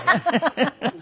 ハハハハ。